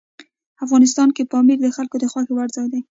افغانستان کې پامیر د خلکو د خوښې وړ ځای دی.